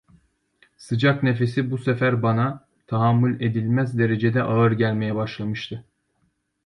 Sıcak nefesi bu sefer bana, tahammül edilmez derecede ağır gelmeye başlamıştı.